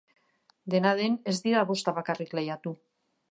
Dena den, ez dira bostak bakarrik lehiatu.